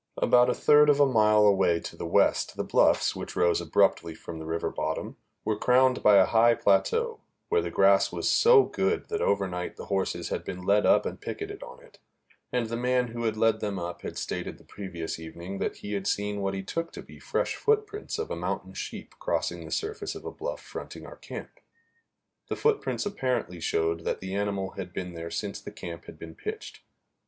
About a third of a mile away to the west the bluffs, which rose abruptly from the river bottom, were crowned by a high plateau, where the grass was so good that over night the horses had been led up and picketed on it, and the man who had led them up had stated the previous evening that he had seen what he took to be fresh footprints of a mountain sheep crossing the surface of a bluff fronting our camp. The footprints apparently showed that the animal had been there since the camp had been pitched.